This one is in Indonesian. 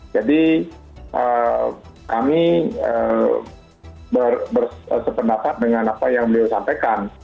jadi kami bersependapat dengan apa yang beliau sampaikan